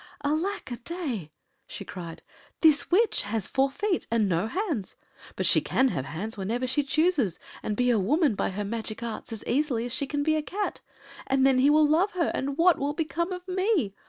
“Alack a day!” she cried. “This witch has four feet and no hands; but she can have hands whenever she chooses, and be a woman by her magic arts as easily as she can be a cat. And then he will love her—and what will become of me?